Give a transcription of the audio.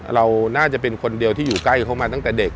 เราน่าจะเป็นคนเดียวที่อยู่ใกล้เขามาตั้งแต่เด็ก